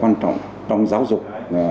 quan trọng trong giáo dục